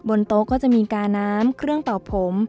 บนโต๊ะก็จะมีกาน้ำเครื่องเป่าผม